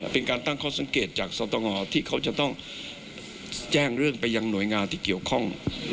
เป็นการตั้งข้อสังเกตจากสตงที่เขาจะต้องแจ้งเรื่องไปยังหน่วยงานที่เกี่ยวข้อง